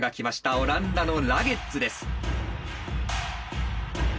オランダのラゲッズです。